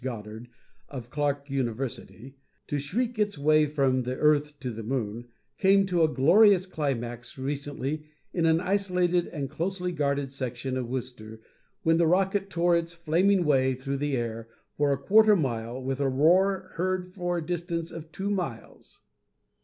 Goddard of Clark University, to shriek its way from the earth to the moon, came to a glorious climax recently in an isolated and closely guarded section of Worcester when the rocket tore its flaming way through the air for a quarter mile with a roar heard for a distance of two miles.